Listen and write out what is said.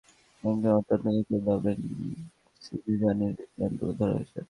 তবে এগুলোর মধ্যে কাম্পফের ভ্রমণকাহিনিতে অত্যন্ত নিখুঁতভাবে সিনেযানির বিবরণ তুলে ধরা হয়েছে।